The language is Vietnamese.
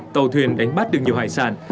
tàu thuyền đánh bắt được nhiều hải sản